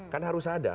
kan harus ada